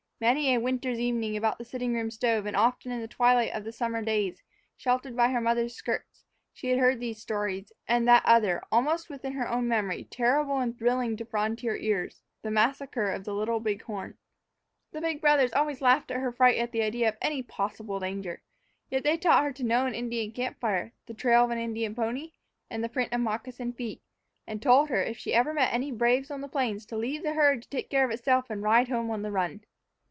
Many a winter's evening, about the sitting room stove, and often in the twilight of summer days, sheltered by her mother's skirts, she had heard these stories, and that other, almost within her own memory, terrible and thrilling to frontier ears, the massacre of the Little Big Horn. The big brothers always laughed at her fright and at the idea of any possible danger; yet they taught her to know an Indian camp fire, the trail of an Indian pony, and the print of moccasined feet, and told her, if she ever met any braves on the plains, to leave the herd to take care of itself and ride home on the run.